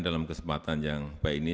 dalam kesempatan yang baik ini